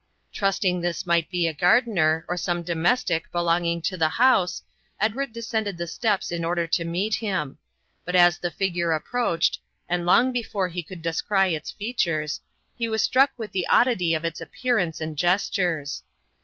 Trusting this might be a gardener, or some domestic belonging to the house, Edward descended the steps in order to meet him; but as the figure approached, and long before he could descry its features, he was struck with the oddity of its appearance and gestures.